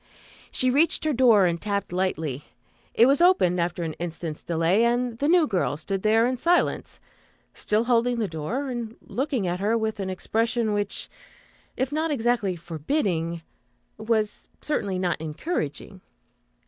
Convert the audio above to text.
She reached her door and tapped lightly. It was opened, after an instant's delay, and the "new girl" stood there in silence, still holding the door and looking at her with an expression which, if not exactly forbidding, was certainly not encouraging.